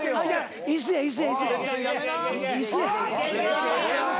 椅子や椅子や椅子。